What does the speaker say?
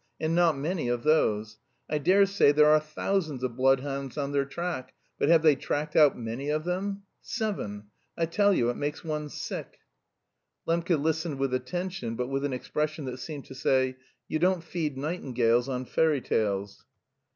And not many of those. I dare say there are thousands of bloodhounds on their track, but have they tracked out many of them? Seven! I tell you it makes one sick." Lembke listened with attention but with an expression that seemed to say, "You don't feed nightingales on fairy tales."